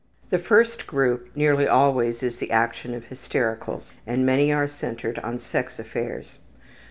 The first group nearly always is the action of hystericals, and many are centered on sex affairs.